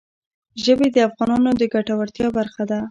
ژبې د افغانانو د ګټورتیا برخه ده.